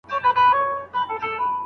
په هر ممکن حالت کي مثبت اوسئ.